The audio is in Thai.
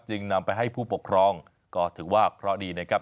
นำไปให้ผู้ปกครองก็ถือว่าเคราะห์ดีนะครับ